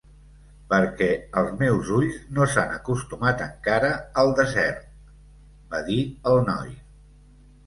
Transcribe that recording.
"Perquè els meus ulls no s'han acostumat encara al desert", va dir el noi.